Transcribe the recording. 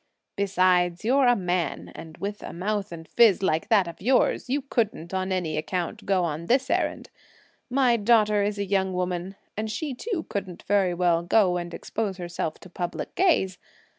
Besides, you're a man, and with a mouth and phiz like that of yours, you couldn't, on any account, go on this errand. My daughter is a young woman, and she too couldn't very well go and expose herself to public gaze.